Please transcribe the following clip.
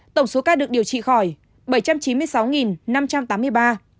tổng số ca được điều trị khỏi bảy trăm chín mươi sáu